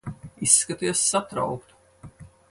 Izskaties satraukta.